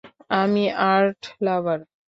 আমি আর্ট লাভার।